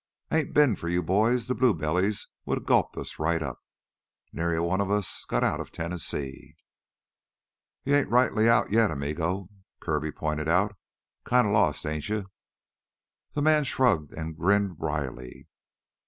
Ain't bin for you boys, th' blue bellies woulda gulped us right up! Nairy a one of us'd got out of Tennessee." "You ain't rightly out yet, amigo," Kirby pointed out. "Kinda lost, ain't you?" The man shrugged and grinned wryly.